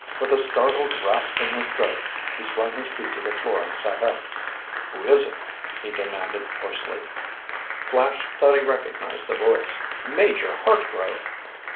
With a startled rasp in his throat, he swung his feet to the floor and sat up. "Who is it?" he demanded hoarsely. Flash thought he recognized the voice. "Major Hartgrove!"